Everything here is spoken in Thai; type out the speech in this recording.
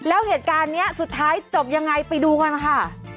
แล้วเหตุการณ์นี้สุดท้ายจบยังไงไปดูกันมาค่ะ